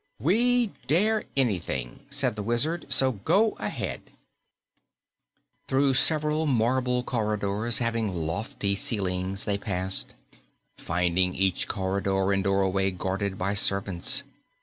"We dare anything," said the Wizard, "so go ahead." Through several marble corridors having lofty ceilings they passed, finding each corridor and doorway guarded by servants.